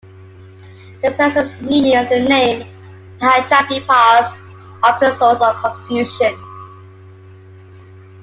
The precise meaning of the name Tehachapi Pass is often a source of confusion.